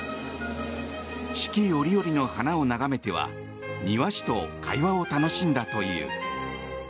四季折々の花を眺めては庭師と会話を楽しんだという。